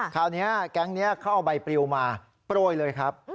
คราวนี้แก๊งนี้เขาเอาใบปลิวมาโปร่อยเลยครับ